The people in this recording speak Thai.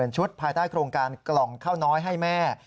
ชุดภายใต้โครงการกล่องข้าวน้อยให้แม่